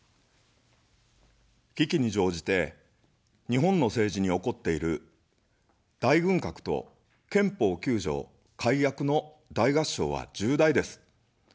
危機に乗じて、日本の政治に起こっている大軍拡と憲法９条改悪の大合唱は重大です。